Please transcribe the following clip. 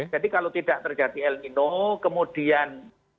jadi kalau tidak terjadi el mino kemudian